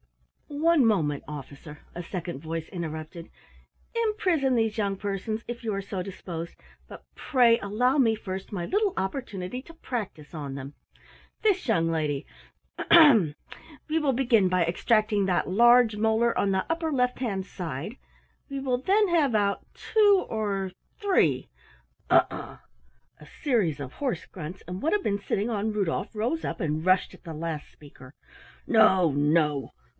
"One moment, Officer," a second voice interrupted. "Imprison these young persons, if you are so disposed, but pray allow me first my little opportunity to practise on them. This young lady ahem! We will begin by extracting that large molar on the upper left hand side, we will then have out two or three " "Ugh ugh!" A series of hoarse grunts, and what had been sitting on Rudolf rose up and rushed at the last speaker. "No, no!